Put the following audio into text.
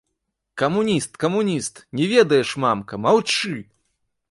Камуніст, камуніст, не ведаеш, мамка, маўчы!